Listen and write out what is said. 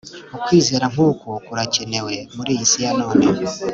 Ukwizera nkuku kurakenewe muri iyi si ya none